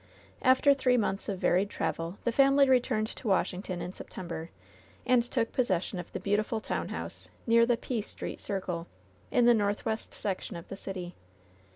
After three months of varied travel the family re turned to Washington in September, and took possession of the beautiful town house, near the P Street circle, in the northwest section of the city.